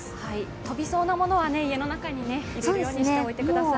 飛びそうなものは家の中に入れるようにしておいください。